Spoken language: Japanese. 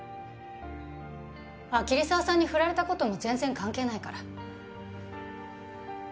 あっ桐沢さんにフラれた事も全然関係ないから。